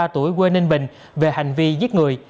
bốn mươi ba tuổi quê ninh bình về hành vi giết người